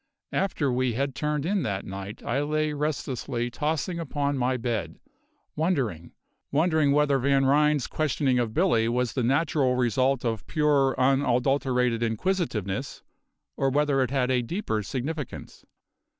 After we had turned in that night I lay restlessly tossing upon my bed, wondering wondering whether Van Ryn's questioning of Billy was the natural result of pure, unadulterated inquisitiveness, or whether it had a deeper significance.